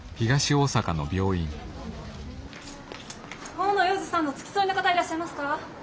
大野洋二さんの付き添いの方いらっしゃいますか？